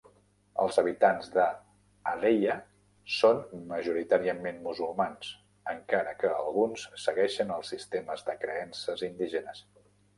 Els habitants de Hadejia són majoritàriament musulmans, encara que alguns segueixen els sistemes de creences indígenes.